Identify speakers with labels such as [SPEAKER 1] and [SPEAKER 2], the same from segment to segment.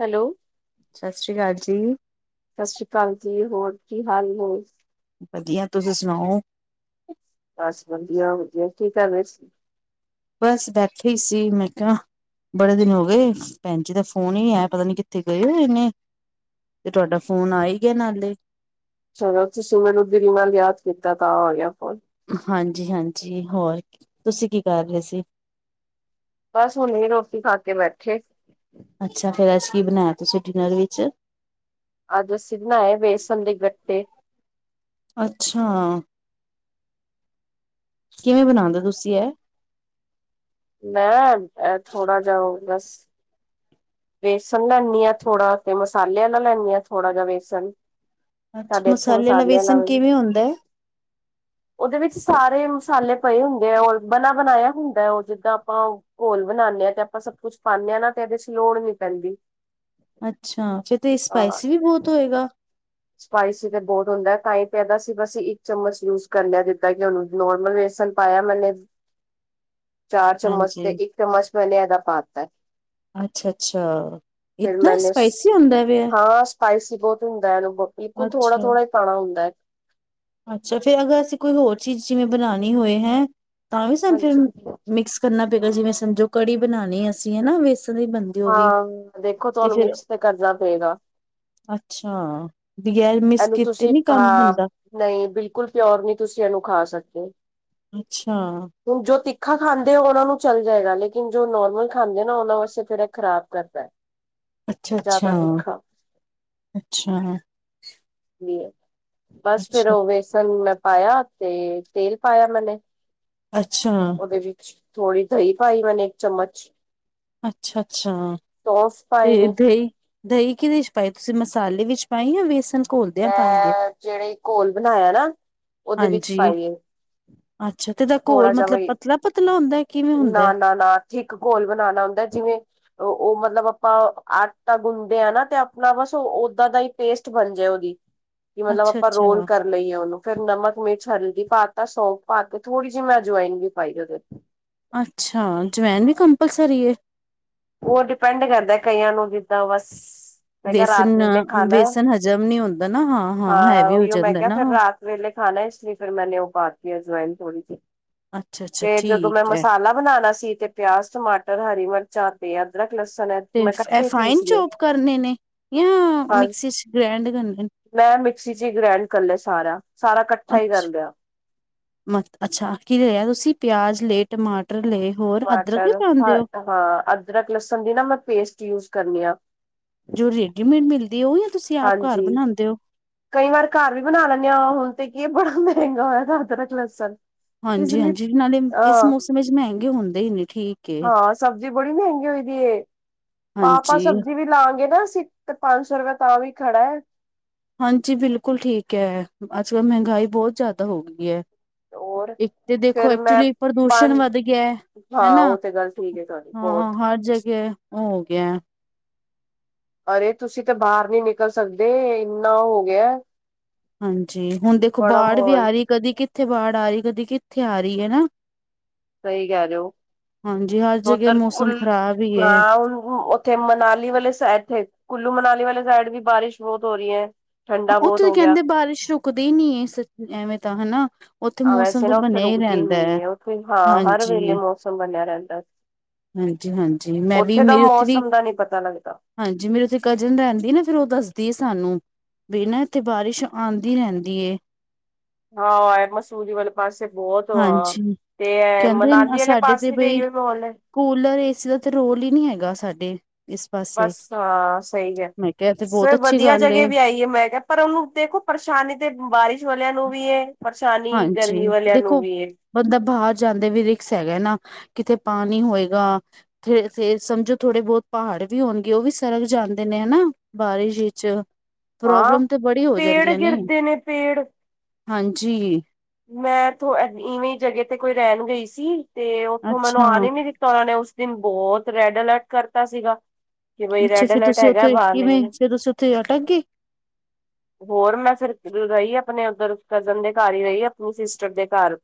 [SPEAKER 1] Hello
[SPEAKER 2] ਸ਼ ਸ਼੍ਰੀ ਕਾਲ ਜੀ।
[SPEAKER 1] ਸ਼ ਸ਼੍ਰੀ ਕਾਲ ਜੀ ਹੋਰ ਕੀ ਹਾਲ ਨੇ?
[SPEAKER 2] ਵਧੀਆ ਤੁਸੀ ਸੁਣਾਓ?
[SPEAKER 1] ਬਸ ਵਧੀਆ-ਵਧੀਆ ਕੀ ਕਰ ਰੇ ਸੀ?
[SPEAKER 2] ਬਸ ਬੈਠੇ ਈ ਸੀ ਮੈਂ ਕੇਹਾ ਬੜੇ ਦਿਨ ਹੋ ਗਏ ਭੈਣ ਜੀ ਦਾ ਫ਼ੋਨ ਈ ਨੀ ਆਇਆ ਪਤਾ ਨੀ ਕਿੱਥੇ ਗਏ ਹੋਏ ਨੇ ਤੇ ਤੁਹਾਡਾ ਫ਼ੋਨ ਆ ਈ ਗਿਆ ਨਾਲੇ।
[SPEAKER 1] ਚਲੋ ਤੁਸੀਂ ਮੈਨੂੰ ਦਿਲ ਨਾਲ ਯਾਦ ਕੀਤਾ ਤਾਂ ਆ ਗਿਆ ਫ਼ੋਨ।
[SPEAKER 2] ਹਾਂਜੀ-ਹਾਂਜੀ ਹੋਰ ਤੁਸੀਂ ਕੀ ਕਰ ਰੇ ਸੀ?
[SPEAKER 1] ਬਸ ਹੁਣੇ ਈ ਰੋਟੀ ਖਾ ਕੇ ਬੈਠੇ।
[SPEAKER 2] ਅੱਛਾ ਫੇਰ ਅੱਜ ਕੀ ਬਣਾਇਆ ਤੁਸੀਂ ਡਿਨਰ ਵਿੱਚ?
[SPEAKER 1] ਅੱਜ ਅਸੀਂ ਬਣਾਏ ਬੇਸਨ ਦੇ ਗੱਟੇ।
[SPEAKER 2] ਅੱਛਾ, ਕਿਵੇਂ ਬਣਾਂਦੇ ਤੁਸੀਂ ਐ?
[SPEAKER 1] ਮੈ ਐ ਥੋੜਾ ਜਾਂ ਓ ਬਸ ਵੇਸਣ ਲੈਨੀ ਆ ਥੋੜਾ ਤੇ ਮਸਾਲੇ ਆਲਾ ਲੈਨੀ ਆ ਥੋੜਾ ਜਾ ਵੇਸਣ
[SPEAKER 2] ਅੱਛਾ
[SPEAKER 1] ਸਾਡੇ ਐਥੇ
[SPEAKER 2] ਵਾਲਾ
[SPEAKER 1] ਮਸਾਲੇ ਆਲਾ
[SPEAKER 2] ਵੇਸਣ
[SPEAKER 1] ਵੀ।
[SPEAKER 2] ਕਿਵੇਂ ਹੁੰਦਾ ਹੈ?
[SPEAKER 1] ਉਦੇ ਵਿੱਚ ਸਾਰੇ ਮਸਾਲੇ ਪਏ ਹੁੰਦੇ ਆ ਔਰ ਬਣਾ ਬਣਾਇਆ ਹੁੰਦਾ ਐ ਓ ਜਿੱਦਾਂ ਆਪਾਂ ਘੋਲ ਬਣਾਣੇ ਆ ਤੇ ਆਪਾਂ ਸਭ ਕੁਛ ਪਾਨੇ ਆ ਨਾ ਤੇ ਏਦੇ 'ਚ ਲੋੜ ਨੀ ਪੈਂਦੀ।
[SPEAKER 2] ਅੱਛਾ ਫੇਰ ਤੇ ਏ
[SPEAKER 1] ਹਾਂ
[SPEAKER 2] ਸਪਾਈਸੀ ਵੀ ਬੋਤ ਹੋਏਗਾ।
[SPEAKER 1] ਸਪਾਈਸੀ ਤੇ ਬੋਤ ਹੁੰਦਾ ਐ ਤਾਂ ਈ ਤੇ ਏਦਾ ਅਸੀਂ ਬਸ ਇੱਕ ਚਮਚ ਯੂਜ ਕਰ ਨਾ ਦਿੱਤਾ ਕਿ ਹੁਣ ਨੋਰਮਲ ਵੇਸਣ ਪਾਇਆ ਮੈਂਨੇ, ਚਾਰ ਚਮਚ ਤੇ
[SPEAKER 2] ਹਾਂਜੀ
[SPEAKER 1] ਇੱਕ ਚਮਚ ਮੈਂਨੇ ਐਦਾ ਪਾਤੈ।
[SPEAKER 2] ਅੱਛਾ-ਅੱਛਾ।
[SPEAKER 1] ਫੇਰ ਮੈਂਨੇ ਸ, ਹਾਂ ਸਪਾਈਸੀ ਬੋਤ ਹੁੰਦਾ ਲੋ ਬਿਲਕੁੱਲ
[SPEAKER 2] ਅੱਛਾ
[SPEAKER 1] ਥੋੜਾ-ਥੋੜਾ ਈ ਪਾਣਾ ਹੁੰਦਾ ਐ।
[SPEAKER 2] ਅੱਛਾ ਫੇਰ ਅਗਰ ਅਸੀਂ ਕੋਈ ਹੋਰ ਚੀਜ਼ ਜਿਵੇਂ ਬਣਾਣੀ ਹੋਏ ਹੈ ਤਾਂ ਵੀ ਸਾਨੂੰ ਫਿਰ
[SPEAKER 1] ਹਾਂਜੀ
[SPEAKER 2] ਮਿਕਸ ਕਰਨਾ ਪਏਗਾ ਜਿਵੇਂ ਸਮਝੋ ਕੜੀ ਬਣਾਣੀ ਅਸੀਂ ਹਨਾ ਵੇਸਣ ਦੀ ਬਣ
[SPEAKER 1] ਹਾਂ ਦੇਖੋ ਤੁਹਾਨੂੰ ਮਿਕਸ ਤੇ ਕਰਨਾ ਪੇਗਾ।
[SPEAKER 2] ਅੱਛਾ ਬਗੈਰ ਮਿਕਸ ਕੀਤੇ ਨੀ ਕੰਮ ਹੁੰਦਾ।
[SPEAKER 1] ਨਈ ਬਿਲਕੁੱਲ ਪਿਓਰ ਨੀ ਤੁਸੀਂ ਏਨੂੰ ਖਾ ਸਕਦੇ।
[SPEAKER 2] ਅੱਛਾ।
[SPEAKER 1] ਹੁਣ ਜੋ ਤਿੱਖਾ ਖਾਂਦੇ ਉਨਾ ਨੂੰ ਚੱਲ ਜਾਏਗਾ ਲੇਕਿਨ ਜੋ ਨੋਰਮਲ ਖਾਂਦੇ ਨਾ ਉਨਾਂ ਵਾਸਤੇ ਫਿਰ ਐ ਖ਼ਰਾਬ ਕਰਦੈ।
[SPEAKER 2] ਅੱਛਾ-ਅੱਛਾ, ਅੱਛਾ।
[SPEAKER 1] ਬਸ ਫਿਰ
[SPEAKER 2] ਅੱਛਾ
[SPEAKER 1] ਓ ਬੇਸਣ ਮੈਂ ਪਾਇਆ ਤੇ ਤੇਲ ਪਾਇਆ ਮੈਂਨੇ
[SPEAKER 2] ਅੱਛਾ
[SPEAKER 1] ਉਦੇ ਵਿੱਚ ਥੋੜੀ ਦਈ ਪਾਈ ਮੈਨੇ ਇੱਕ ਚਮਚ
[SPEAKER 2] ਅੱਛਾ-ਅੱਛਾ
[SPEAKER 1] ਸੌਂਫ ਪਾਏ
[SPEAKER 2] ਤੇ
[SPEAKER 1] ਨੇ
[SPEAKER 2] ਦਈ ਦਈ ਕਿਦੇ 'ਚ ਪਾਈ ਤੁਸੀਂ ਮਸਾਲੇ ਵਿੱਚ ਪਾਏ ਜਾਂ ਬੇਸਨ
[SPEAKER 1] ਮੈਂ ਜੇੜੀ ਘੋਲ ਬਣਾਇਆ ਨਾ ਉਦੇ ਵਿੱਚ
[SPEAKER 2] ਹਾਂਜੀ
[SPEAKER 1] ਪਾਈ ਏ।
[SPEAKER 2] ਅੱਛਾ ਤੇ ਇਦਾ ਘੋਲ ਮਤਲਬ ਪਤਲਾ-ਪਤਲਾ ਹੁੰਦਾ ਹੈ ਕਿਵੇਂ ਹੁੰਦਾ।
[SPEAKER 1] ਥਿਕ ਘੋਲ ਬਣਾਣਾ ਹੁੰਦਾ ਜਿਵੇਂ ਓ-ਓ ਮਤਲਬ ਆਪਾਂ ਆਟਾ ਗੁੰਨਦੇ ਆ ਨਾ ਤੇ ਆਪਣਾ ਬਸ ਓਦਾਂ ਦਾ ਈ ਪੇਸਟ ਬਣ ਜਏ। ਵੀ-ਵੀ ਮਤਲਬ
[SPEAKER 2] ਅੱਛਾ
[SPEAKER 1] ਆਪਾਂ
[SPEAKER 2] ਅੱਛਾ
[SPEAKER 1] ਰੋਲ ਕਰ ਲਈਏ ਉਨੂੰ ਫਿਰ ਨਮਕ, ਮਿਰਚ, ਹਲਦੀ ਪਾਤਾ ਸੌਂਫ ਪਾ ਤੇ ਥੋੜੀ ਜਿਹੀ ਮੈਂ ਜੁਆਇਨ ਵੀ ਪਾਈ ਉਦੇ
[SPEAKER 2] ਅੱਛਾ ਜੁਆਇਨ ਵੀ ਕੰਪਲਸਰੀ ਏ।
[SPEAKER 1] ਓ ਡਿਪੈਂਡ ਕਰਦਾ ਕਈਆਂ ਨੂੰ ਜਿੱਦਾਂ ਬਸ ਮੈਂ ਕਿਆ ਰਾਤ
[SPEAKER 2] ਵੇਸਨ
[SPEAKER 1] ਵੇਲੇ ਖਾਣਾ
[SPEAKER 2] ਵੇਸਨ ਹਜ਼ਮ ਨੀ ਹੁੰਦਾ ਨਾ ਹਾਂ-ਹਾਂ
[SPEAKER 1] ਹਾਂ
[SPEAKER 2] ਹੈਵੀ ਹੋ
[SPEAKER 1] ਉਹੀਓ ਮੈਂ
[SPEAKER 2] ਜਾਂਦਾ
[SPEAKER 1] ਕਿਆ
[SPEAKER 2] ਨਾ
[SPEAKER 1] ਫਿਰ
[SPEAKER 2] ਉਹ
[SPEAKER 1] ਰਾਤ ਸਵੇਲੇ ਖਾਣਾ ਇਸ ਫਿਰ ਮੈਨੇ ਓ ਪਾਤੀ ਆ ਜੁਆਇਨ ਥੋੜ੍ਹੀ ਜਿਹੀ
[SPEAKER 2] ਅੱਛਾ-ਅੱਛਾ
[SPEAKER 1] ਤੇ ਜਦੋਂ ਮੈਂ
[SPEAKER 2] ਠੀਕ ਹੈ
[SPEAKER 1] ਮਸਾਲਾ ਬਣਾਣਾ ਸੀ ਤੇ ਪਿਆਜ, ਟਮਾਟਰ, ਹਰੀ-ਮਿਰਚਾਂ ਤੇ ਅਦਰਕ, ਲਸਣ
[SPEAKER 2] ਤੇ
[SPEAKER 1] ਮੈਂ
[SPEAKER 2] ਫ- ਇਹ
[SPEAKER 1] ਕੱਠੇ ਈ
[SPEAKER 2] ਫਾਈਨ
[SPEAKER 1] ਪੀਸ ਲਏ
[SPEAKER 2] ਚੋਪ ਕਰਨੇ ਨੇ ਜਾਂ
[SPEAKER 1] ਹਾਂ।
[SPEAKER 2] ਮਿਕਸੀ ਚ ਗ੍ਰੈਂਡ ਕਰਨੇ ਨੇ
[SPEAKER 1] ਮੈਂ ਮਿਕਸੀ 'ਚ ਈ ਗ੍ਰੈਂਡ ਕਰ ਲਿਆ ਸਾਰਾ ਸਾਰਾ ਕੱਠਾ ਈ ਕਰ
[SPEAKER 2] ਅੱਛਾ
[SPEAKER 1] ਲਿਆ।
[SPEAKER 2] ਮ ਅੱਛਾ ਕੀ ਲਿਆ ਤੁਸੀਂ ਪਿਆਜ ਲਏ ਟਮਾਟਰ ਲਏ ਹੋਰ ਅਦਰਕ ਵੀ
[SPEAKER 1] ਟਮਾਟਰ
[SPEAKER 2] ਪਾਂਦੇ ਓ।
[SPEAKER 1] ਹਾਂ ਅਦਰਕ, ਲਸਣ ਦੀ ਨਾ ਮੈਂ ਪੇਸਟ ਯੂਸ ਕਰਨੀ ਆ।
[SPEAKER 2] ਜੋ ਰੇਡੀਮੇਡ ਮਿਲਦੀ ਓ ਜਾਂ ਤੁਸੀਂ ਆਪ ਘਰ
[SPEAKER 1] ਹਾਂਜੀ
[SPEAKER 2] ਬਣਾਂਦੇ ਓ।
[SPEAKER 1] ਕਈ ਵਾਰ ਘਰ ਵੀ ਬਣਾ ਲੈਨੇ ਆ ਹੁਣ ਤੇ ਕੀ ਬੜਾ ਮਹਿੰਗਾ ਹੋਇਆ ਅਦਰਕ, ਲਸਣ ਇਸ ਲਈ
[SPEAKER 2] ਹਾਂਜੀ-ਹਾਂਜੀ ਨਾਲੇ ਇਸ
[SPEAKER 1] ਅਹ
[SPEAKER 2] ਮੌਸਮ ਵਿੱਚ ਮਹਿੰਗੇ ਹੁੰਦੇ ਨੇ ਠੀਕ ਏ।
[SPEAKER 1] ਹਾਂ ਸਬਜ਼ੀ ਬੜੀ ਮਹਿੰਗੀ ਹੋਈ ਦੀ ਏ। ਪਾ-ਪਾ ਆਪਾਂ
[SPEAKER 2] ਹਾਂਜੀ-ਹਾਂਜੀ
[SPEAKER 1] ਸਬਜ਼ੀ ਵੀ ਲਾਂਗੇ ਨਾ ਅਸੀਂ ਤੇ ਪੰਜ ਸੌ ਰੁਪਏ ਤਾਂ ਵੀ ਖੜਾ ਐ।
[SPEAKER 2] ਹਾਂਜੀ ਬਿਲਕੁਲ ਠੀਕ ਐ ਅਜ-ਕੱਲ੍ਹ ਮਹਿੰਗਾਈ ਬੋਤ ਜਾਦਾ ਹੋ ਗਈ ਐ।
[SPEAKER 1] ਹੋਰ
[SPEAKER 2] ਇੱਕ ਤੇ ਦੇਖੋ
[SPEAKER 1] ਫੇਰ ਮੈਂ
[SPEAKER 2] ਐਕਚਲੀ ਪ੍ਰਦੂਸ਼ਣ
[SPEAKER 1] ਪੰਜ
[SPEAKER 2] ਵੱਧ ਗਿਆ ਐ।
[SPEAKER 1] ਹਾਂ
[SPEAKER 2] ਹਨਾ
[SPEAKER 1] ਉਹ ਤੇ ਗੱਲ ਠੀਕ ਹੈ ਤੁਹਾਡੀ
[SPEAKER 2] ਹਾਂ
[SPEAKER 1] ਬਹੁਤ
[SPEAKER 2] ਹਰ ਜਗ੍ਹੇ ਓ ਹੋ ਗਿਆ ਐ।
[SPEAKER 1] ਅਰੇ ਤੁਸੀਂ ਤੇ ਬਾਰ ਨੀ ਨਿਕਲ ਸਕਦੇ ਇੰਨਾ ਹੋ ਗਿਆ।
[SPEAKER 2] ਹਾਂਜੀ ਹੁਣ ਦੇਖੋ
[SPEAKER 1] ਬੜਾ
[SPEAKER 2] ਬਾੜ ਵੀ
[SPEAKER 1] ਮਾਹੌਲ
[SPEAKER 2] ਆ ਰਈ ਕਦੀ ਕਿੱਥੇ ਬਾੜ ਆ ਰਈ ਕਦੀ ਕਿੱਥੇ ਆ ਰਈ ਐ ਨਾ।
[SPEAKER 1] ਸਈ ਕੈ ਰਏ ਓ
[SPEAKER 2] ਹਾਂਜੀ ਹਰ ਜਗ੍ਹਾ
[SPEAKER 1] ਉੱਧਰ
[SPEAKER 2] ਮੌਸਮ
[SPEAKER 1] ਕੁਲ
[SPEAKER 2] ਖ਼ਰਾਬ ਹੀ
[SPEAKER 1] ਅ
[SPEAKER 2] ਹੈ
[SPEAKER 1] ਇੱਥੇ ਮਨਾਲੀ ਵਾਲੇ ਸਇਡ ਤੇ ਕੁੱਲੂ ਮਨਾਲੀ ਵਾਲੇ ਸਾਈਡ ਵੀ ਬਾਰਿਸ਼ ਬੋਤ ਹੋ ਰਈ ਐ।
[SPEAKER 2] ਉੱਥੇ ਕੈਂਦੇ ਬਾਰਿਸ਼ ਰੁਕਦੀ ਨੀ ਇਸ ਐਵੇਂ ਤਾਂ ਹਨਾ। ਉੱਥੇ
[SPEAKER 1] ਆ
[SPEAKER 2] ਮੌਸਮ
[SPEAKER 1] ਵੈਸੇ
[SPEAKER 2] ਤਾਂ
[SPEAKER 1] ਨਾ ਉੱਥੇ
[SPEAKER 2] ਬਣਿਆ ਹੀ
[SPEAKER 1] ਰੁਕਦੀ
[SPEAKER 2] ਰਹਿੰਦਾ
[SPEAKER 1] ਨਈ
[SPEAKER 2] ਹੈ
[SPEAKER 1] ਐ ਉੱਥੇ ਹਾਂ ਹਰ ਵੇਲੇ
[SPEAKER 2] ਹਾਂਜੀ
[SPEAKER 1] ਮੌਸਮ ਬਣਿਆ ਰੈਂਦਾ।
[SPEAKER 2] ਹਾਂਜੀ-ਹਾਂਜੀ ਮੈਂ ਵੀ ਮੇਰੇ ਉੱਥੇ ਵੀ
[SPEAKER 1] ਦਾ ਨੀ ਪਤਾ ਲੱਗਦਾ
[SPEAKER 2] ਹਾਂਜੀ ਮੇਰੇ ਉੱਥੇ ਕਜ਼ਨ ਰੈਂਦੀ ਨਾ ਫਿਰ ਓ ਦੱਸਦੀ ਸਾਨੂੰ ਵੀ ਨਾ ਇੱਥੇ ਬਾਰਿਸ਼ ਆਂਦੀ ਰੈਂਦੀ ਏ।
[SPEAKER 1] ਹਾਂ ਏ ਮਸੂਰੀ ਵੱਲ ਪਾਸੇ ਬੋਤ ਓ ਆ
[SPEAKER 2] ਹਾਂਜੀ
[SPEAKER 1] ਤੇ
[SPEAKER 2] ਕਹਿੰਦੇ
[SPEAKER 1] ਮਨਾਲੀ ਵਾਲੇ
[SPEAKER 2] ਸਾਡੇ ਤੇ
[SPEAKER 1] ਪਾਸੇ ਵੀ
[SPEAKER 2] ਬਈ
[SPEAKER 1] ਆਈ ਹੋ ਮਾਹੌਲ ਐ।
[SPEAKER 2] ਕੂਲਰ ਏਸੀ ਦਾ ਤੇ ਰੋਲ ਈ ਦਾ ਨਈ ਹੈਗਾ ਸਾਡੇ ਇਸ ਪਾਸੇ
[SPEAKER 1] ਬਸ ਹਾਂ ਸਈ ਕੈਂਦੇ
[SPEAKER 2] ਮੈਂ ਕਿਹਾ ਤੇ ਬਹੁਤ
[SPEAKER 1] ਫਿਰ
[SPEAKER 2] ਅੱਛੀ
[SPEAKER 1] ਵਧੀਆ
[SPEAKER 2] ਗੱਲ
[SPEAKER 1] ਜਗ੍ਹਾ
[SPEAKER 2] ਏ
[SPEAKER 1] ਵਿਆਈ ਮੈਂ ਕਿਆ ਪਰ ਉਨੂੰ ਦੇਖੋ ਪਰੇਸ਼ਾਨੀ ਤੇ ਬਾਰਿਸ਼ ਵਾਲਿਆਂ ਨੂੰ ਵੀ ਐ। ਪਰੇਸ਼ਾਨੀ ਗਰਮੀ ਵਾਲਿਆਂ ਨੂੰ ਵੀ ਏ।
[SPEAKER 2] ਉੱਧਰ ਬਾਰ ਜਾਂਦੇ ਵੀ ਰਿਕਸ ਹੈਗਾ ਨਾ ਕਿਤੇ ਪਾਣੀ ਹੋਏਗਾ। ਫਿਰ-ਫਿਰ ਸਮਝੋ ਥੋੜ੍ਹੇ ਬੋਤ ਪਹਾੜ ਵੀ ਹੋਣਗੇ ਓ ਵੀ ਸਰਕ ਜਾਂਦੇ ਨੇ ਹਨਾ। ਬਾਰਿਸ਼ ਵਿਚ,
[SPEAKER 1] ਹਾਂ
[SPEAKER 2] ਪ੍ਰੋਬਲਮ ਤੇ ਬੜੀ ਹੋ
[SPEAKER 1] ਪੇੜ
[SPEAKER 2] ਜਾਂਦੀਆਂ ਨੇ।
[SPEAKER 1] ਗਿਰਦੇ
[SPEAKER 2] ਹਾਂਜੀ
[SPEAKER 1] ਮੈਂਥ ਇਵੇਂ ਜਗ੍ਹਾ ਤੇ ਕੋਈ ਰਹਿਣ ਗਈ ਸੀ, ਤੇ ਉੱਥੋਂ ਮੈਨੂੰ
[SPEAKER 2] ਅੱਛਾ
[SPEAKER 1] ਆਨ ਨੀ ਦਿੱਤ ਤਾਂ ਉਹਨਾਂ ਨੇ ਉਸ ਦਿਨ ਬੋਤ ਰੈੱਡ ਅਲਰਟ ਕਰਤਾ ਸੀਗਾ। ਕਿ ਬਈ
[SPEAKER 2] ਅੱਛਾ
[SPEAKER 1] ਰੈਡ
[SPEAKER 2] ਫਿਰ
[SPEAKER 1] ਅਲਰਟ
[SPEAKER 2] ਤੁਸੀਂ
[SPEAKER 1] ਹੈਗਾ,
[SPEAKER 2] ਉੱਥੇ
[SPEAKER 1] ਬਾਹਰ ਨੀ
[SPEAKER 2] ਕਿਵੇਂ ਫਿਰ ਤੁਸੀਂ ਉੱਥੇ ਅਟਕ ਗਏ
[SPEAKER 1] ਹੋਰ ਮੈਂ, ਫੇਰ ਰਹੀ ਆਪਣੇ ਉੱਧਰ ਕਜ਼ਨ ਦੇ ਘਰ ਹੀ ਰਹੀ। ਆਪਣੀ ਸਿਸਟਰ ਦੇ ਘਰ,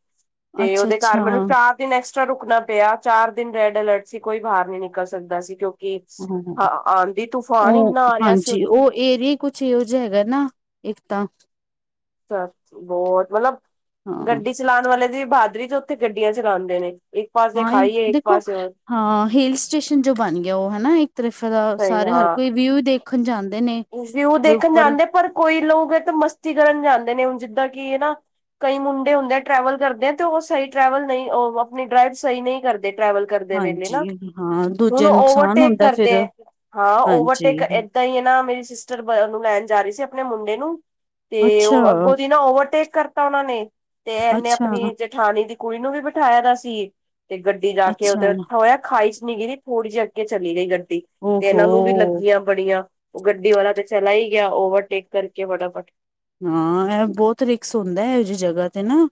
[SPEAKER 1] ਤੇ
[SPEAKER 2] ਅੱਛਾ
[SPEAKER 1] ਉਹਦੇ ਘਰ
[SPEAKER 2] ਅੱਛਾ
[SPEAKER 1] ਮੈਨੂੰ ਸਾ ਇਕ ਦਿਨ ਐਕਸਟਰਾ ਰੁਕਣਾ ਪਿਆ, ਚਾਰ ਦਿਨ ਰੈਡ ਅਲਰਟ ਸੀ, ਕੋਈ ਬਾਹਰ ਨੀ ਨਿਕਲ ਸਕਦਾ ਸੀ। ਕਿਉਂ ਕਿ,
[SPEAKER 2] ਹਾਂ
[SPEAKER 1] ਆਂਦੀ- ਤੂਫਾਨ
[SPEAKER 2] ਉਹ
[SPEAKER 1] ਇੰਨਾ ਆ ਰਿਹਾ ਸੀ
[SPEAKER 2] ਹਾਂਜੀ
[SPEAKER 1] ਉੱਥੇ
[SPEAKER 2] ਉਹ ਏਰੀਆ ਕੁਛ ਯੂਜ ਹੈਗਾ ਨਾ, ਇੱਕ ਤਾਂ
[SPEAKER 1] ਜਿਆਦਾ, ਬਹੁਤ ਮਤਲਬ,
[SPEAKER 2] ਹਾਂ
[SPEAKER 1] ਗੱਡੀ ਚਲਾਉਣ ਵਾਲੇ ਦੀ ਬਹਾਦਰੀ ਜੋ ਉੱਥੇ ਗੱਡੀਆਂ ਚਲਾਂਦੇ ਨੇ। ਇੱਕ ਪਾਸੇ
[SPEAKER 2] ਹਾਂ ਇਹ
[SPEAKER 1] ਖਾਈ ਏ, ਇੱਕ
[SPEAKER 2] ਦੇਖੋ
[SPEAKER 1] ਪਾਸੇ ਹੋਰ
[SPEAKER 2] ਹਾਂ ਹਿਲ ਸਟੇਸ਼ਨ ਜੋ ਬਣ ਗਿਆ ਉਹ ਹਨਾ ਇੱਕ ਤਰਫ਼ ਦਾ,
[SPEAKER 1] ਸਹੀ
[SPEAKER 2] ਸਾਰੇ ਹਰ
[SPEAKER 1] ਹਾਂ
[SPEAKER 2] ਕੋਈ ਵਿਊ ਦੇਖ ਰੱਖਣ ਜਾਂਦੇ ਨੇ
[SPEAKER 1] ਵਿਊ
[SPEAKER 2] ਵੀ
[SPEAKER 1] ਦੇਖਣ
[SPEAKER 2] ਉੱਪਰ
[SPEAKER 1] ਜਾਂਦੇ, ਪਰ ਕੋਈ ਲੋਕ ਐ, ਤਾਂ ਮਸਤੀ ਕਰਨ ਜਾਂਦੇ ਨੇ, ਹੁਣ ਜਿੱਦਾਂ ਕਿ ਨਾ ਕਈ ਮੁੰਡੇ ਹੁੰਦੇ ਆ ਟਰੈਵਲ ਕਰਦੇ ਆ ਤੇ ਓ ਸਹੀ ਟਰੈਵਲ ਨਹੀਂ, ਆਪਣੀ ਡਰਾਈਵ ਸਹੀ ਨਹੀਂ ਕਰਦੇ ਟਰੈਵਲ। ਕਰਦੇ ਨੇ ਗਏ
[SPEAKER 2] ਹਾਂਜੀ
[SPEAKER 1] ਨਾ,
[SPEAKER 2] ਹਾਂ
[SPEAKER 1] ਹੁਣ
[SPEAKER 2] ਦੂਜੇ ਨੂੰ ਨੁਕਸਾਨ
[SPEAKER 1] ਓਵਰਟੇਕ
[SPEAKER 2] ਹੁੰਦਾ
[SPEAKER 1] ਕਰਦੇ
[SPEAKER 2] ਫਿਰ
[SPEAKER 1] ਐਂ, ਹਾਂ ਹੁਣ
[SPEAKER 2] ਹਾਂਜੀ
[SPEAKER 1] ਓਵਰਟੇਕ ਐਦਾਂ ਹੀ ਹੈ ਨਾ, ਮੇਰੀ ਸਿਸਟਰ ਬ ਉਹਨੂੰ ਲੈਣ ਜਾ ਰਹੀ ਸੀ ਆਪਣੇ ਮੁੰਡੇ ਨੂੰ ਤੇ
[SPEAKER 2] ਅੱਛਾ
[SPEAKER 1] ਉਹ ਅੱਗੋਂ ਦੀ ਨਾ ਓਵਰਟੇਕ ਕਰਤਾ ਉਹਨਾਂ ਨੇ, ਤੇ ਐਨੇ
[SPEAKER 2] ਅੱਛਾ
[SPEAKER 1] ਆਪਣੀ ਜ ਜੇਠਾਣੀ ਦੀ ਕੁੜੀ ਨੂੰ ਵੀ ਬਿਠਾਇਆ ਗਿਆ ਸੀ, ਤੇ ਗੱਡੀ ਜਾ ਕੇ
[SPEAKER 2] ਅੱਛਾ
[SPEAKER 1] ਉਹਦੇ, ਖਾਈ'ਚ ਨੀ ਗਿਰੀ। ਥੋੜੀ ਜਿਹੀ ਅੱਗੇ ਚਲੀ ਗਈ ਗੱਡੀ, ਤੇ
[SPEAKER 2] ਓਹੋ
[SPEAKER 1] ਇਹਨਾਂ ਨੂੰ ਵੀ ਲੱਗੀਆਂ। ਬੜੀਆਂ, ਓ ਗੱਡੀ ਵਾਲਾ ਤੇ ਚਲਾ ਹੀ ਗਿਆ ਓਵਰਟੇਕ ਕਰਕੇ ਫਟਾਫਟ
[SPEAKER 2] ਹਾਂ, ਐਹ ਬਹੁਤ ਰਿਕਸ ਹੁੰਦਾ, ਐਹੋ ਜਿਹੀ ਜਗ੍ਹਾ ਤੇ ਨਾ।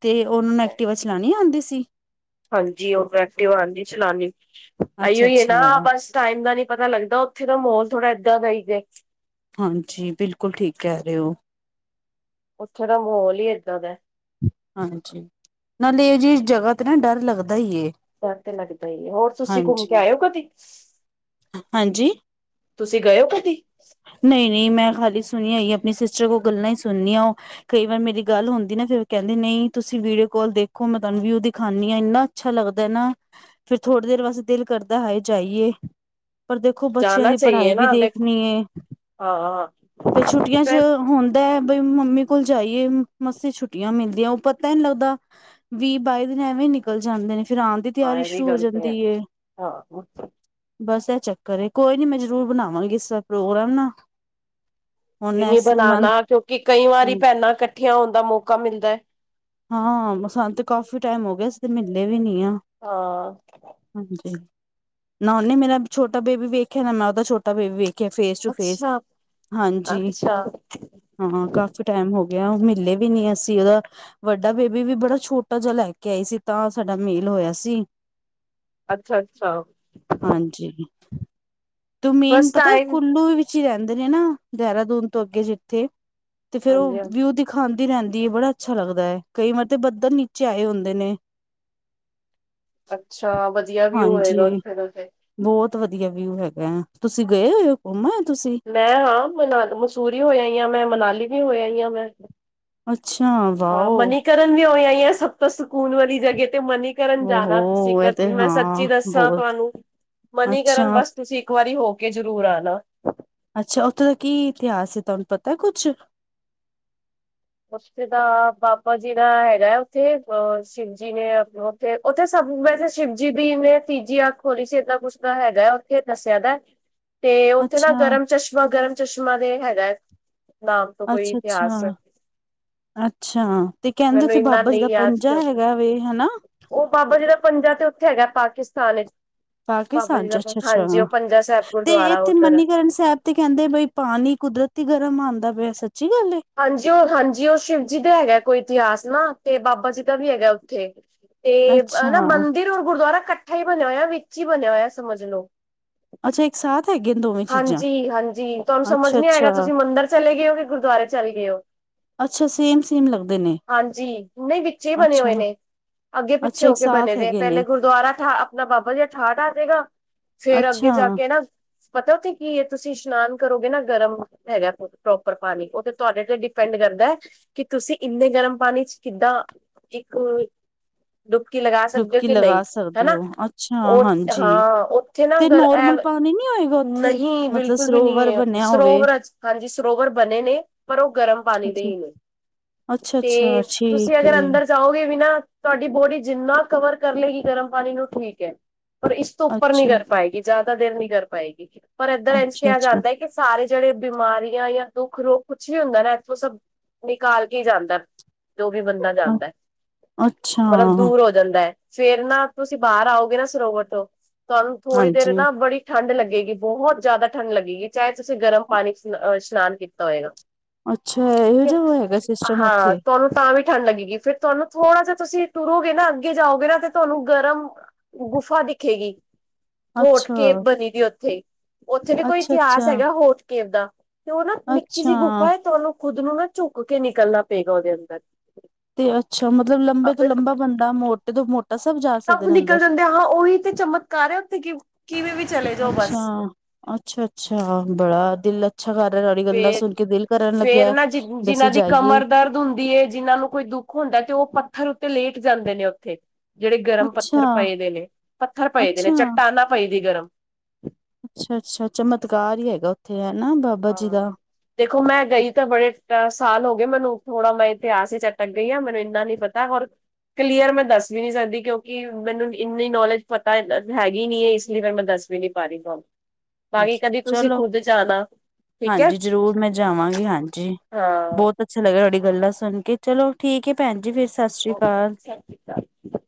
[SPEAKER 2] ਤੇ ਉਹਨਾ ਨੂੰ ਐਕਟਿਵਾ ਚਲਾਉਣੀ ਆਉਂਦੀ ਸੀ?
[SPEAKER 1] ਹਾਂਜੀ, ਓ ਐਕਟਿਵਾ ਆਂਉਦੀ ਚਲਾਨੀ,
[SPEAKER 2] ਅੱਛਾ
[SPEAKER 1] ਇਹੀਓ ਆ ਨਾ
[SPEAKER 2] ਅੱਛਾ
[SPEAKER 1] ਬਸ ਟਾਈਮ ਦਾ ਨੀ ਪਤਾ ਲੱਗਦਾ, ਉੱਥੇ ਦਾ ਮਾਹੌਲ ਥੋੜ੍ਹਾ ਐਦਾਂ ਦਾ ਹੀ ਜੇ
[SPEAKER 2] ਹਾਂਜੀ, ਬਿਲਕੁਲ ਠੀਕ ਕਹਿ ਰਹੇ ਓ।
[SPEAKER 1] ਉੱਥੇ ਦਾ ਮਾਹੌਲ ਹੀ ਐਦਾਂ ਦਾ
[SPEAKER 2] ਹਾਂਜੀ, ਨਾਲੇ ਇਹੋ ਜਿਹੀ ਜਗ੍ਹਾ ਤੇ ਨਾ ਡਰ ਲੱਗਦਾ ਈ ਏ।
[SPEAKER 1] ਡਰ ਤੇ ਲੱਗਦਾ ਹੀ ਏ, ਹੋਰ ਤੁਸੀਂ ਘੁੰਮ ਕੇ
[SPEAKER 2] ਹਾਂਜੀ
[SPEAKER 1] ਆਏ ਓ ਕਦੀ
[SPEAKER 2] ਹਾਂਜੀ
[SPEAKER 1] ਤੁਸੀਂ ਗਏ ਓ ਕਦੀ?
[SPEAKER 2] ਨਹੀ- ਨਹੀ, ਮੈਂ ਖਾਲੀ ਸੁਣਿਆ ਹੀ, ਆਪਣੀ ਸਿਸਟਰ ਕੋਲੋਂ ਗੱਲਾਂ ਹੀ ਸੁਣਨੀਆਂ ਉਹ। ਕਈ ਵਾਰ ਮੇਰੀ ਗੱਲ ਹੁੰਦੀ ਨਾ ਫੇਰ ਕਹਿੰਦੀ ਨਹੀਂ ਤੁਸੀਂ ਵੀਡੀਓ ਕਾਲ ਦੇਖੋ ਮੈਂ ਤੁਹਾਨੂੰ ਵਿਊ ਦਿਖਾਨੀ ਆਂ। ਇੰਨਾ ਅੱਛਾ ਲੱਗਦਾ ਨਾ, ਫੇਰ ਥੋੜ੍ਹੀ ਦੇਰ ਵਾਸਤੇ ਦਿਲ ਕਰਦਾ, ਹਾਏ ਜਾਈਏ। ਪਰ ਦੇਖੋ ਬੱਚਿਆਂ
[SPEAKER 1] ਜਾਣਾ
[SPEAKER 2] ਦੀ
[SPEAKER 1] ਚਾਹੀਏ
[SPEAKER 2] ਪੜ੍ਹਾਈ ਵੀ
[SPEAKER 1] ਨਾ ਦੇਖ
[SPEAKER 2] ਦੇਖਣੀ ਏ।
[SPEAKER 1] ਹਾਂ
[SPEAKER 2] ਤੇ ਛੁੱਟੀਆਂ 'ਚ
[SPEAKER 1] ਫਿਰ
[SPEAKER 2] ਹੁਣ ਐ ਬਈ ਮੰਮੀ ਕੋਲ ਜਾਈਏ, ਮਸੀ ਛੁੱਟੀਆਂ ਮਿਲਦੀਆਂ, ਊ ਪਤਾ ਹੀ ਨੀ ਲੱਗਦਾ। ਵੀਹ- ਬਾਈ ਦਿਨ ਐਵੇਂ ਨਿਕਲ ਜਾਂਦੇ ਨੇ, ਫੇਰ ਆਉਣ ਦੀ
[SPEAKER 1] ਹਾਂ
[SPEAKER 2] ਤਿਆਰੀ
[SPEAKER 1] ਇਹ ਵੀ
[SPEAKER 2] ਸ਼ੁਰੂ ਹੋ
[SPEAKER 1] ਗੱਲ ਤੇ ਹੈ
[SPEAKER 2] ਜਾਂਦੀ ਏ
[SPEAKER 1] ਹਾਂ
[SPEAKER 2] ਬਸ ਐਹ ਚੱਕਰ ਏ, ਕੋਈ ਨੀ ਮੈਂ ਜ਼ਰੂਰ ਬਣਾਵਾਂਗੀ ਇਸ ਵਾਰ ਪ੍ਰੋਗਰਾਮ ਨਾ ਹੁਣ
[SPEAKER 1] ਨਹੀ- ਨਹੀ
[SPEAKER 2] ਇਸ
[SPEAKER 1] ਬਣਾਣਾ,
[SPEAKER 2] ਮੰਥ
[SPEAKER 1] ਕਿਉਂਕਿ ਕਈ ਵਾਰ
[SPEAKER 2] ਹਾਂ
[SPEAKER 1] ਭੈਣਾਂ ਇਕੱਠੀਆਂ ਹੋਣ ਦਾ ਮੌਕਾ ਮਿਲਦਾ।
[SPEAKER 2] ਹਾਂ, ਸਾਨੂੰ ਤਾਂ ਕਾਫੀ ਟਾਈਮ ਹੋ ਗਿਆ, ਅਸੀਂ ਤੇ ਮੇਲੇ ਵੀ ਨਹੀਂ ਆ।
[SPEAKER 1] ਹਾਂ
[SPEAKER 2] ਹਾਂਜੀ, ਨਾ ਉਹਨੇ ਮੇਰਾ ਛੋਟਾ ਬੇਬੀ ਵੇਖਿਆ ਨਾ ਮੈਂ ਉਹਦਾ ਬੇਬੀ ਵੇਖ ਵੇਖਿਆ, ਫੇਸ ਟੂ ਫੇਸ,
[SPEAKER 1] ਅੱਛਾ
[SPEAKER 2] ਹਾਂਜੀ
[SPEAKER 1] ਅੱਛਾ
[SPEAKER 2] ਹਾਂ, ਕਾਫੀ ਟਾਈਮ ਹੋ ਗਿਆ, ਮਿਲੇ ਵੀ ਨੀ ਅਸੀਂ ਉਹਦ ਵੱਡਾ ਬੇਬੀ ਵੀ ਬੜਾ ਛੋਟਾ ਜਿਹਾ ਲੈ ਕੇ ਆਈ ਸੀ ਤਾਂ ਸਾਡਾ ਮੇਲ ਹੋਇਆ ਸੀ।
[SPEAKER 1] ਅੱਛਾ-ਅੱਛਾ
[SPEAKER 2] ਹਾਂਜੀ ਤੋ ਮੇਨ
[SPEAKER 1] ਫਸਟ
[SPEAKER 2] ਪਤਾ
[SPEAKER 1] ਟਾਈਮ
[SPEAKER 2] ਕੁੱਲੂ ਵਿੱਚ ਹੀ ਰਹਿੰਦੇ ਨੇ ਨਾ ਦੇਹਰਾਦੂਨ ਤੋਂ ਅੱਗੇ ਜਿੱਥੇ ਤੇ ਫੇਰ
[SPEAKER 1] ਹਾਂਜੀ
[SPEAKER 2] ਉਹ
[SPEAKER 1] ਹਾਂਜੀ
[SPEAKER 2] ਵਿਊ ਦੀ ਦਿਖਾਂਦੀ ਰਹਿੰਦੀ ਏ ਬੜਾ ਅੱਛਾ ਲੱਗਦਾ ਹੈ ਕਈ ਵਾਰ ਤੇ ਬੱਦਲ ਨੀਚੇ ਆਏ ਹੁੰਦੇ ਨੇ
[SPEAKER 1] ਅੱਛਾ ਵਧੀਆ ਵਿਊ
[SPEAKER 2] ਹਾਂਜੀ
[SPEAKER 1] ਹੋਏਗਾ ਉੱਥੇੇ ਦਾ ਫੇਰ
[SPEAKER 2] ਬਹੁਤ ਵਧੀਆ ਵਿਊ ਹੈਗਾ ਆ ਤੁਸੀਂ ਗਏ ਹੋਏ ਹੋ, ਘੁੰਮ ਆਏ ਔ ਤੁਸੀਂ
[SPEAKER 1] ਮੈਂ ਹਾਂ-ਹਾਂ ਮਨਾ-ਮਸੂਰੀ ਹੋ ਆਂਈ ਆਂ ਮੈਂ, ਮਨਾਲੀ ਵੀ ਹੋ ਆਈ ਆਂ ਮੈਂ
[SPEAKER 2] ਅੱਛਾ! ਵਾਓ
[SPEAKER 1] ਕਰਨ ਵੀ ਹੋ ਆਈ ਆਂ ਸਭ ਤੋਂ ਸਕੂਨ ਵਾਲੀ ਜਗ੍ਹਾ ਤੇ ਮਨੀ ਕਰ ਕਰਨ ਜਾਣਾ ਤੁਸੀਂ
[SPEAKER 2] ਹੋ ਇਹ ਤੇ
[SPEAKER 1] ਕਦੀ, ਮੈਂ ਸੱਚੀ
[SPEAKER 2] ਹਾਂ
[SPEAKER 1] ਦੱਸਾਂ
[SPEAKER 2] ਬਹੁਤ
[SPEAKER 1] ਤੁਹਾਨੂੰ
[SPEAKER 2] ਅੱਛਾ
[SPEAKER 1] ਮਨੀਕਰਨ ਬਸ ਤੁਸੀਂ ਇੱਕ ਵਾਰੀ ਹੋ ਕੇ ਜ਼ਰੂਰ ਆਣਾ
[SPEAKER 2] ਅੱਛਾ ਉੱਥੇ ਦਾ ਕੀ ਇਤਿਹਾਸ ਹੈ ਤੁਹਾਨੂੰ ਪਤਾ ਐ ਕੁਛ
[SPEAKER 1] ਉੱਥੇ ਦਾ ਬਾਬਾ ਜੀ ਦਾ ਹੈਗਾ ਉੱਥੇ ਅ ਸ਼ਿਵ ਜੀ ਨੇ ਆ ਕੇ ਉੱਥੇ ਤੇ ਉੱਥੇ ਸਭ ਵੈਸੇ ਸ਼ਿਵ ਜੀ ਦੀ ਨੇ ਤੀਜੀ ਅੱਖ ਖੋਲੀ ਸੀ, ਏਦਾਂ ਕੁੱਛ ਦਾ ਹੈਗਾ ਉੱਥੇ ਦੱਸਿਆ ਗਾ ਤੇ ਉੱਥੇ ਨਾ
[SPEAKER 2] ਅੱਛਾ
[SPEAKER 1] ਗਰਮ ਚਸ਼ਮਾ, ਗਰਮ ਚਸ਼ਮਾ ਦੇ ਹੈਗਾ ਨਾਮ ਤੋਂ ਕੋਈ
[SPEAKER 2] ਅੱਛਾ- ਅੱਛਾ
[SPEAKER 1] ਇਤਿਹਾਸ।
[SPEAKER 2] ਅੱਛਾ। ਤੇ ਕਹਿੰਦੇ
[SPEAKER 1] ਮੈਨੂੰ
[SPEAKER 2] ਉੱਥੇ
[SPEAKER 1] ਇੰਨਾ
[SPEAKER 2] ਬਾਬਾ ਜੀ
[SPEAKER 1] ਨਹੀਂ
[SPEAKER 2] ਦਾ ਪੰਜਾ
[SPEAKER 1] ਯਾਦ
[SPEAKER 2] ਹੈਗਾ ਵੇ ਹੈਨਾ।
[SPEAKER 1] ਉਹ ਬਾਬਾ ਜੀ ਦਾ ਪੰਜਾ ਤੇ ਉੱਥੇ ਹੈਗਾ ਪਾਕਿਸਤਾਨ ਵਿੱਚ
[SPEAKER 2] ਪਾਕਿਸਤਾਨ ਚ ਅੱਛਾ- ਅੱਛਾ ਹਾ,
[SPEAKER 1] ਸਾਹਿਬ
[SPEAKER 2] ਤੇ
[SPEAKER 1] ਗੁਰਦੁਆਰਾ
[SPEAKER 2] ਇੱਥੇ
[SPEAKER 1] ਉੱਧਰ ਹੈ।
[SPEAKER 2] ਮਨੀਕਰਨ ਸਾਹਿਬ ਤੇ ਕਹਿੰਦੇ ਬਈ ਪਾਣੀ ਕੁਦਰਤੀ ਗਰਮ ਆਂਦਾ ਪਿਆ ਸੱਚੀ ਗੱਲ ਏ
[SPEAKER 1] ਹਾਂਜੀ ਉਹ ਹਾਂਜੀ ਉਹ ਸ਼ਿਵ ਜੀ ਦਾ ਹੈਗਾ ਕੋਈ ਇਤਿਹਾਸ ਨਾ, ਤੇ ਬਾਬਾ ਜੀ ਦਾ ਵੀ ਹੈਗਾ ਉੱਥੇ ਤੇ
[SPEAKER 2] ਅੱਛਾ
[SPEAKER 1] ਨਾ ਮੰਦਿਰ ਔਰ ਗੁਰਦੁਆਰਾ ਇਕੱਠਾ ਹੀ ਬਣਿਆ ਹੋਇਆ ਵਿੱਚ ਹੀ ਬਣਿਆ ਹੋਇਆ ਸਮਝ ਲੋੋ
[SPEAKER 2] ਅੱਛਾ ਇੱਕ ਸਾਥ ਹੈਗੇ ਨੇ ਦੋਵੇਂ ਚੀਜ਼ਾਂ
[SPEAKER 1] ਹਾਂਜੀ -ਹਾਂਜੀ ਤੁਹਾਨੂੰ ਸਮਝ
[SPEAKER 2] ਅੱਛਾ
[SPEAKER 1] ਨੀ
[SPEAKER 2] ਅੱਛਾ
[SPEAKER 1] ਆਏਗਾ ਤੁਸੀਂ ਮੰਦਿਰ ਚਲੇ ਗਏ ਹੋ ਕਿ ਗੁਰਦੁਆਰੇ ਚਲੇ ਗਏ ਹੋ
[SPEAKER 2] ਅੱਛਾ ਸੇਮ ਸੇਮ ਲੱਗਦੇ ਨੇ
[SPEAKER 1] ਹਾਂਜੀ ਨਹੀਂ ਵਿੱਚੇ ਹੀ ਬਣੇ
[SPEAKER 2] ਅੱਛਾ
[SPEAKER 1] ਹੋਏ ਨੇ ਅੱਗੇ ਪਿੱਛੇ
[SPEAKER 2] ਅੱਛਾ
[SPEAKER 1] ਹੋ
[SPEAKER 2] ਇੱਕ
[SPEAKER 1] ਕੇ ਬਣੇ
[SPEAKER 2] ਸਾਥ
[SPEAKER 1] ਦੇ,
[SPEAKER 2] ਹੈਗੇ
[SPEAKER 1] ਪਹਿਲੇ
[SPEAKER 2] ਨੇ
[SPEAKER 1] ਗੁਰਦੁਆਰਾ ਠਾ ਆਪਣਾ ਬਾਬਾ ਜੀ ਅ ਠਾਠ ਆ ਜੇ ਗਾ ਫੇਰ ਅੱਗੇ
[SPEAKER 2] ਅੱਛਾ
[SPEAKER 1] ਜਾ ਕੇ ਨਾ ਪਤਾ ਉੱਥੇ ਕੀ ਐ ਤੁਸੀਂ ਇਸ਼ਨਾਨ ਕਰੋਗੇ ਨਾ ਗਰਮ ਹੈਗਾ ਪ੍ਰੋਪਰ ਪਾਣੀ, ਉਹ ਤੇ ਤੁਹਾਡੇ ਤੇ ਡਿਪੈਂਡ ਕਰਦਾ ਕਿ ਤੁਸੀਂ ਇੰਨੇ ਗਰਮ ਪਾਣੀ ਚ ਕਿੱਦਾਂ ਇੱਕ ਡੁਬਕੀ ਲਗਾ ਸਕਦੇ ਹੋ
[SPEAKER 2] ਡੁਬਕੀ
[SPEAKER 1] ਕਿ ਨਹੀਂ
[SPEAKER 2] ਲਗਾ ਸਕਦੇ
[SPEAKER 1] ਹਨਾ,
[SPEAKER 2] ਹੋ ਅੱਛਾ
[SPEAKER 1] ਉਹ
[SPEAKER 2] ਹਾਂਜੀ
[SPEAKER 1] ਹਾਂ ਉੱਥੇ ਨਾ
[SPEAKER 2] ਤੇ
[SPEAKER 1] ਗਰ
[SPEAKER 2] ਨੋਰਮਲ ਪਾਣੀ ਨੀ ਹੋਏਗਾ ਉੱਥੇ
[SPEAKER 1] ਨਹੀਂ
[SPEAKER 2] ਮਤਲਬ
[SPEAKER 1] ਬਿਲਕੁਲ ਵੀ ਨਹੀਂ
[SPEAKER 2] ਸਰੋਵਰ
[SPEAKER 1] ਹੈ ਉੱਥੇ
[SPEAKER 2] ਬਣਿਆ ਹੋਵੇ
[SPEAKER 1] ਸਰੋਵਰਾ ਜ ਹਾਂਜੀ ਸਰੋਵਰ ਬਣੇ ਨੇ ਪਰ ਉਹ ਗਰਮ ਪਾਣੀ ਦੇ ਹੀ ਨੇ,
[SPEAKER 2] ਅੱਛਾ ਅੱਛਾ
[SPEAKER 1] ਤੇ ਤੁਸੀਂ
[SPEAKER 2] ਠੀਕ
[SPEAKER 1] ਅਗਰ
[SPEAKER 2] ਏ
[SPEAKER 1] ਅੰਦਰ ਚਾਹੋਗੇ ਵੀ ਨਾ ਤੁਹਾਡੀ ਬੋਡੀ ਜਿੰਨਾ ਕਵਰ ਕਰ ਲਏਗੀ ਗਰਮ ਪਾਣੀ ਨੂੰ ਠੀਕ ਹੈ। ਪਰ ਇਸ ਤੋਂ ਉੱਪਰ ਨੀ
[SPEAKER 2] ਅੱਛਾ
[SPEAKER 1] ਕਰ ਪਾਏਗੀ ਜ਼ਿਆਦਾ ਦੇਰ ਨੀ ਕਰ ਪਾਏਗੀ, ਪਰ ਇੱਧਰ ਇੰਜ
[SPEAKER 2] ਅੱਛਾ
[SPEAKER 1] ਕਿਹਾ
[SPEAKER 2] ਅੱਛਾ
[SPEAKER 1] ਜਾਂਦਾ ਏ ਕੀ ਕਿ ਸਾਰੇ ਜਿਹੜੇ ਬਿਮਾਰੀਆਂ ਜਾਂ ਦੁੱਖ, ਰੋਗ ਕੁਛ ਵੀ ਹੁੰਦਾ ਨਾ ਇੱਥੋਂ ਸਭ ਨਿਕਾਲ ਕੇ ਈ ਜਾਂਦਾ ਜੋ ਵੀ ਬੰਦਾ ਜਾਂਦਾ,
[SPEAKER 2] ਅੱਛਾ
[SPEAKER 1] ਮਤਲਬ ਦੂਰ ਹੋ ਜਾਂਦਾ ਹੈ, ਫੇਰ ਨਾ ਤੁਸੀਂ ਬਾਹਰ ਆਓਗੇ ਨਾ ਸਰੋਵਰ ਤੋਂ ਤੁਹਾਨੂੰ ਥੋੜ੍ਹੀ ਦੇਰ
[SPEAKER 2] ਹਾਂਜੀ
[SPEAKER 1] ਨਾ ਬੜੀ ਠੰਡ ਲੱਗੇਗੀ ਬਹੁਤ ਜ਼ਿਆਦਾ ਠੰਡ ਲੱਗੇਗੀ ਚਾਹੇ ਤੁਸੀਂ ਗਰਮ ਪਾਣੀ ਇਸ਼ਨਾਨ ਕੀਤਾ ਹੋਏਗਾ।
[SPEAKER 2] ਅੱਛਾ ਇਹੋ
[SPEAKER 1] [unintelligible]
[SPEAKER 2] ਜਿਹਾ ਹੈਗਾ ਸਿਸਟਮ
[SPEAKER 1] ਹਾਂ
[SPEAKER 2] ਉੱਥੇ
[SPEAKER 1] ਤੁਹਾਨੂੰ ਤਾਂ ਵੀ ਠੰਡ ਲੱਗੇਗੀ ਫ਼ਿਰ ਤੁਹਾਨੂੰ ਥੋੜਾ ਜਿਹਾ ਤੁਸੀਂ ਟੁਰੋਗੇ ਨਾ ਅੱਗੇ ਜਾਓਗੇ ਨਾ ਤੇ ਤੁਹਾਨੂੰ ਗਰਮ ਗੁਫਾ ਦਿਖੇਗੀ ਹੋਠ
[SPEAKER 2] ਅੱਛਾ
[SPEAKER 1] ਕੇ ਬਣੇਦੀ ਉੱਥੇ ਉੱਥੇ ਵੀ ਕੋਈ
[SPEAKER 2] ਅੱਛਾ
[SPEAKER 1] ਇਤਿਹਾਸ
[SPEAKER 2] ਅੱਛਾ
[SPEAKER 1] ਹੈਗਾ ਹੋਠਕੇਵ ਦਾ ਤੇ ਉਹ ਨਾ ਨਿੱਕੀ
[SPEAKER 2] ਅੱਛਾ
[SPEAKER 1] ਜਿਹੀ ਗੁਫਾ ਹੈ ਤਹਾਨੂੰ ਖੁਦ ਨੂੰ ਨਾ ਝੁੱਕ ਕੇ ਨਿਕਲਣਾ ਪਏਗਾ ਉਹਦੇ ਅੰਦਰ
[SPEAKER 2] ਤੇ ਅੱਛਾ ਮਤਲਬ ਲੰਬੇ ਤੋਂ
[SPEAKER 1] ਫਿਰ
[SPEAKER 2] ਲੰਬਾ ਬੰਦਾ, ਮੋਟੇ ਤੋਂ ਮੋਟਾ ਸਭ ਜਾ ਸਕਦੇ ਨੇ ਅੰਦਰ।
[SPEAKER 1] ਤੇ ਹੈਗਾ ਉਹੀ ਤੇ ਚਮਕ ਕਾਰ ਏ ਇਥੇ ਕਿਉਂ?
[SPEAKER 2] ਅੱਛਾ, ਅੱਛਾ- ਅੱਛਾ ਬੜਾ ਦਿਲ ਏ। ਅੱਛਾ ਯਾਰ ਉਹਦੀ ਗੱਲਾਂ
[SPEAKER 1] ਫੇਰ
[SPEAKER 2] ਸੁਣ ਕੇ ਦਿਲ ਭਰਨ
[SPEAKER 1] ਫੇਰ
[SPEAKER 2] ਲੱਗਿਆ,
[SPEAKER 1] ਨਾ ਜਿ
[SPEAKER 2] ਵੀ
[SPEAKER 1] ਜਿਨਾਂ
[SPEAKER 2] ਅਸੀਂ
[SPEAKER 1] ਦੀ
[SPEAKER 2] ਜਾਈਏ।
[SPEAKER 1] ਕਮਰ ਦਰਦ ਹੁੰਦੀ ਐ ਜਿਹਨਾਂ ਨੂੰ ਕੋਈ ਦੁੱਖ ਹੁੰਦਾ ਤੇ ਉਹ ਪੱਥਰ ਉੱਤੇ ਲੇਟ ਜਾਂਦੇ ਨੇ ਉੱਥੇ। ਜਿਹੜੇ ਗਰਮ
[SPEAKER 2] ਅੱਛਾ,
[SPEAKER 1] ਪੱਥਰ ਪਏਦੇ ਨੇ- ਪੱਥਰ ਪਏਦੇ ਨੇ
[SPEAKER 2] ਅੱਛਾ,
[SPEAKER 1] ਚੱਟਾਨਾਂ ਪਈਦੀ ਗਰਮ।
[SPEAKER 2] ਅੱਛਾ-ਅੱਛਾ ਚਮਤਕਾਰ ਹੀ ਹੈਗਾ ਉੱਥੇ ਹਨਾ ਬਾ-
[SPEAKER 1] ਹਾਂ। ਦੇਖੋ ਮੈਂ ਗਈ ਤਾਂ ਬੜੇ ਅਹ ਸਾਲ ਹੋ ਗਏ ਮੈਨੂੰ ਥੋੜਾ ਮੈਂ ਇਤਿਹਾਸ ਚ ਅਟਕ ਗਈ ਆ ਮੈਨੂੰ ਇੰਨਾ ਨੀ ਪਤ- ਤਾ ਹਰ, ਕਲੀਅਰ ਮੈਂ ਦੱਸ ਵੀ ਨਹੀ ਸਕਦੀ ਕਿਉਂਕਿ ਮੈਨੂੰ ਇੰਨੀ ਨੌਲੇਜ ਪਤਾ ਹੈਗੀ ਨਹੀ ਏ ਇਸ ਲਈ ਫੇਰ ਮੈਂ ਦੱਸ ਚੀਨੀ ਪਾ ਦਈ ਬਸ, ਭਾਜੀ
[SPEAKER 2] ਅੱਛਾ
[SPEAKER 1] ਕਦੀ ਤੁਸੀਂ
[SPEAKER 2] ਚਲੋ
[SPEAKER 1] ਖੁੱਦ ਜਾਣਾ। ਠੀਕ ਹੈ
[SPEAKER 2] ਹਾਂਜੀ ਜ਼ਰੂਰ ਮੈਂ ਜਾਵਾਂਗੀ ਹਾਂਜੀ,
[SPEAKER 1] ਹਾਂ
[SPEAKER 2] ਬੋਤ ਅੱਛਾ ਲੱਗਿਆ ਤੁਹਾਡੀ ਗੱਲਾਂ ਸੁਣ ਕੇ ਚਲੋ। ਠੀਕ ਹੈ ਭੈਣ ਜੀ ਫੇਰ
[SPEAKER 1] ਓਕੇ ਸਤਿ
[SPEAKER 2] ਸਾਸਰੀਕਾਲ।
[SPEAKER 1] ਸ਼੍ਰੀ [inaudible]